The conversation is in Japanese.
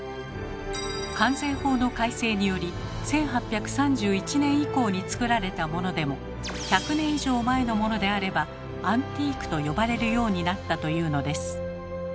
関税法の改正により１８３１年以降に作られたモノでも１００年以上前のモノであれば「アンティーク」と呼ばれるようになったというのです。